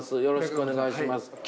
よろしくお願いします。